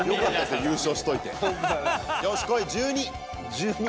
よしこい１２！